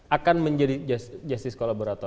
akan menjadi just sico laborator